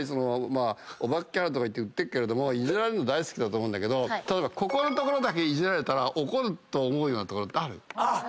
おバカキャラって売ってっけれどもイジられるの大好きだと思うけどここだけイジられたら怒ると思うようなところってある？